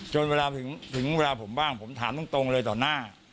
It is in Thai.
เวลาถึงเวลาผมบ้างผมถามตรงเลยต่อหน้า